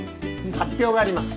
発表があります。